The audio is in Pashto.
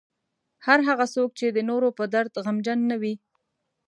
هر هغه څوک چې د نورو په درد غمجن نه وي.